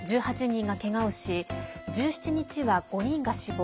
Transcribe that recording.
１８人が、けがをし１７日は５人が死亡。